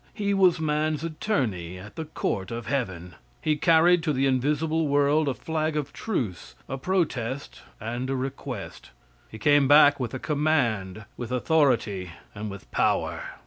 He was man's attorney at the court of heaven. He carried to the invisible world a flag of truce, a protest and a request. He came back with a command, with authority and with power.